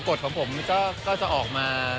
กฎของผมก็จะออกมา